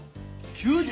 ９０。